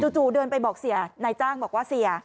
จู่เดินไปบอกเสียนายจ้างบอกว่าเสีย